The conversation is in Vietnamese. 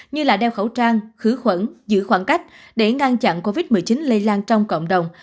như đeo khẩu trang khử khuẩn giữ khoảng cách để ngăn chặn covid một mươi chín lây lan trong cộng đồng